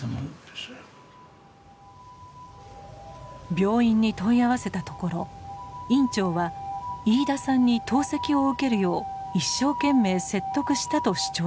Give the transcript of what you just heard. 病院に問い合わせたところ院長は飯田さんに透析を受けるよう「一生懸命説得した」と主張しています。